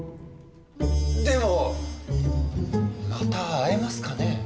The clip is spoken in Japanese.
でもまた会えますかね？